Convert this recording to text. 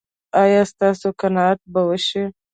ایا ستاسو قناعت به وشي؟